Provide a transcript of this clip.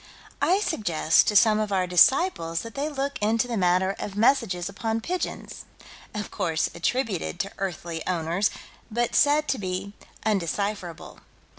I suggest to some of our disciples that they look into the matter of messages upon pigeons, of course attributed to earthly owners, but said to be undecipherable.